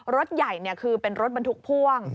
รถใหญ่คือเป็นรถบรรทุกพ่วง